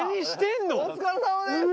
お疲れさまです。